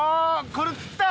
これ釣った？